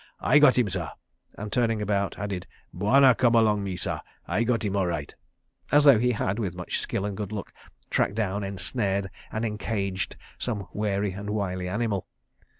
I got him, sah," and turning about added, "Bwana come along me, sah, I got him all right," as though he had, with much skill and good luck, tracked down, ensnared, and encaged some wary and wily animal.